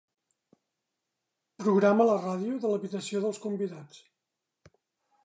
Programa la ràdio de l'habitació dels convidats.